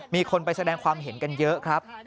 มีคนไปแสดงความเห็นกันเยอะครับ